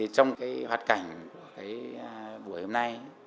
trong cái hoạt cảnh của cái buổi hôm nay